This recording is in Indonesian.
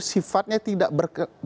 sifatnya tidak berkecuali